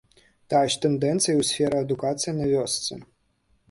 Тая ж тэндэнцыя і ў сферы адукацыі на вёсцы.